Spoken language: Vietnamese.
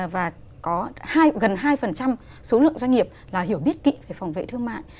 và có gần hai số lượng doanh nghiệp là hiểu biết kỵ về phòng vệ thương mại